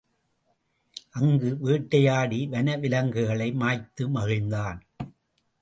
அங்கு வேட்டையாடி வன விலங்குகளை மாய்த்து மகிழ்ந்தான்.